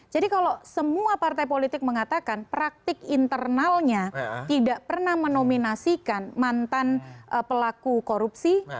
jadi kalau semua partai politik mengatakan praktik internalnya tidak pernah menominasikan mantan pelaku korupsi